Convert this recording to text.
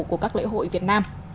của các lễ hội việt nam